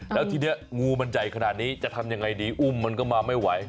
แล้วทีนี้งูมันใหญ่ขนาดนี้จะทำยังไงดีอุ้มมันก็มาไม่ไหว